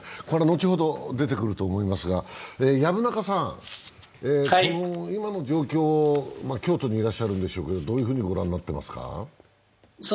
これは後ほど出てくると思いますが薮中さん、今の状況、京都にいらっしゃるんでしょうけど、どういうふうにご覧になっていますか？